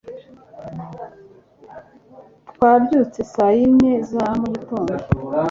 Twabyutse saa yine za mu gitondo